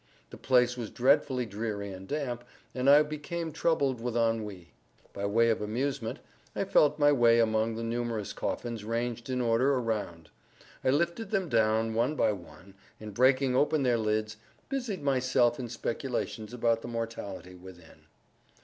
The place was dreadfully dreary and damp, and I became troubled with ennui. By way of amusement, I felt my way among the numerous coffins ranged in order around. I lifted them down, one by one, and breaking open their lids, busied myself in speculations about the mortality within.